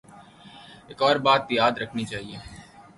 ایک اور بات یاد رکھنی چاہیے۔